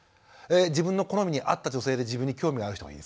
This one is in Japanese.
自分の好みに合った女性で自分に興味がある人がいいですね。